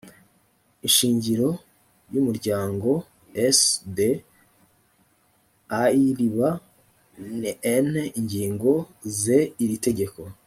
ishingiro y umuryango s d airiba n ingingo z iri tegeko